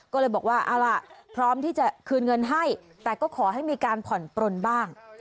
ก็เลยบอกว่าเอาล่ะพร้อมที่จะคืนเงินให้แต่ก็ขอให้มีการผ่อนปลนบ้าง